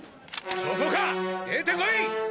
そこか出てこい！